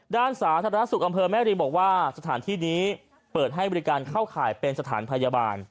ด้านสาธารณสุขอำเภอแม่ริมบอกว่าสถานที่นี้เปิดให้บริการเข้าข่ายเป็นสถานพยาบาล